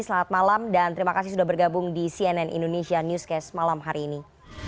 selamat malam dan terima kasih sudah bergabung di cnn indonesia newscast malam hari ini